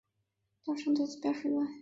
大场对此表示意外。